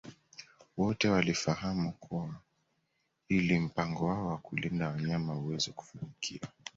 Wote walifahamu kuwa ili mpango wao wa kulinda wanyama uweze kufanikiwa